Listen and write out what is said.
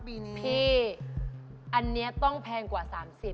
พี่อันนี้ต้องแพงกว่า๓๐